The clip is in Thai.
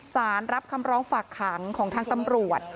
รับคำร้องฝากขังของทางตำรวจ